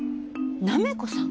なめこさん？